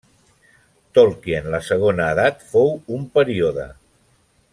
Tolkien la Segona Edat fou un període.